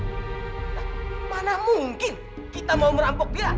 lah mana mungkin kita mau merampok dia